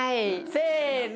せの！